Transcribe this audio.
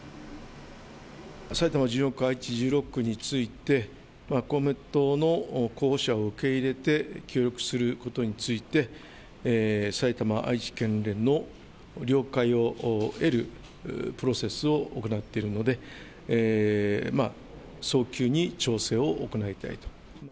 埼玉１４区、愛知１６区について、公明党の候補者を受け入れて、協力することについて、埼玉、愛知県連の了解を得るプロセスを行っているので、早急に調整を行いたいと。